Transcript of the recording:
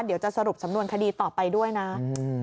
เดี๋ยวจะสรุปสำนวนคดีต่อไปด้วยนะ